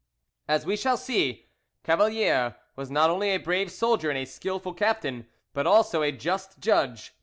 As we shall see, Cavalier was not only a brave soldier and a skilful captain, but also a just judge.